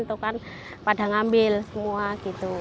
itu kan pada ngambil semua gitu